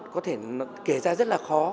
có thể kể ra rất là khó